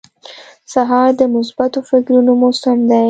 سهار د مثبتو فکرونو موسم دی.